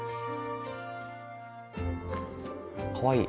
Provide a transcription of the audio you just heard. かわいい。